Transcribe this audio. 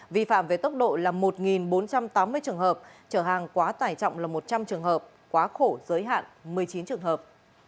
vi phạm về tốc độ là một bốn trăm tám mươi trường hợp trở hàng quá tải trọng là một trăm linh trường hợp quá khổ giới hạn một mươi chín trường hợp